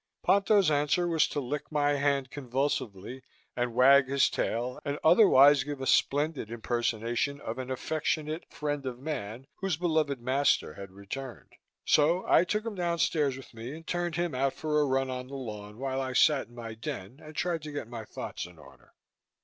Ponto's answer was to lick my hand convulsively and wag his tail and otherwise give a splendid impersonation of an affectionate "Friend of Man" whose beloved master has returned. So I took him downstairs with me and turned him out for a run on the lawn while I sat in my den and tried to get my thoughts in order.